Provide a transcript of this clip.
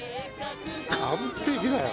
完璧だよ